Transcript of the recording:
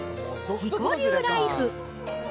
自己流ライフ。